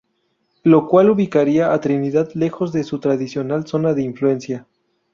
Lo cual ubicaría a Trinidad, lejos de su tradicional zona de influencia.